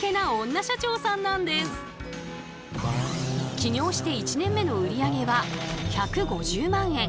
起業して１年目の売り上げは１５０万円。